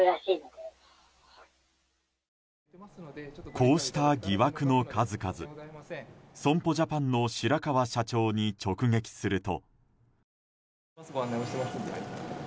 こうした疑惑の数々損保ジャパンの白川社長に直撃すると。